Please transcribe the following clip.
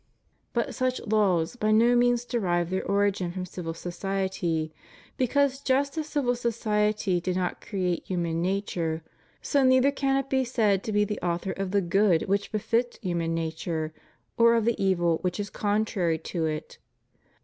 But such laws by no means derive their origin from civil society; because just as civil society did not create human nature, so neither can it be said to be the author of the good which befits human nature, or of the evil which is contrary to it.